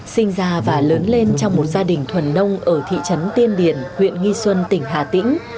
sinh ra và lớn lên trong một gia đình thuần nông ở thị trấn tiên điển huyện nghi xuân tỉnh hà tĩnh